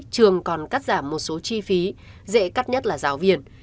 trường còn cắt giảm một số chi phí dễ cắt nhất là giáo viên